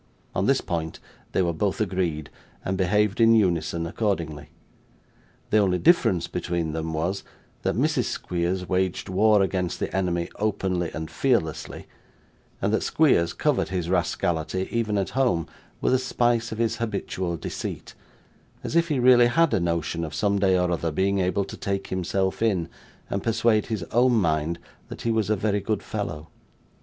On this point they were both agreed, and behaved in unison accordingly. The only difference between them was, that Mrs. Squeers waged war against the enemy openly and fearlessly, and that Squeers covered his rascality, even at home, with a spice of his habitual deceit; as if he really had a notion of someday or other being able to take himself in, and persuade his own mind that he was a very good fellow.